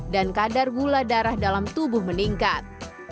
dan kadar gula darah dalam tubuh meningkat